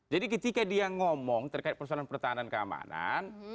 jadi ketika dia ngomong terkait persoalan pertahanan dan keamanan